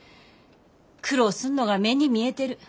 苦労すんのが目に見えてる。